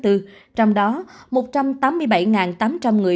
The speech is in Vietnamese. trong đó một trăm tám mươi bảy tám trăm linh người